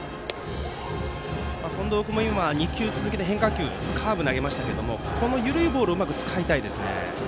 近藤君も２球続けて変化球、カーブを投げましたが緩いボールをうまく使いたいですね。